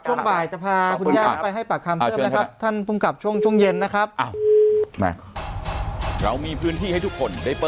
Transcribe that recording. ช่วงบ่ายจะพาคุณย่านไปให้ปากคำเพิ่มนะครับ